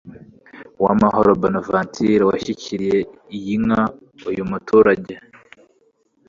Uwamahoro Bonaventure washyikirije iyi Nka uyu muturage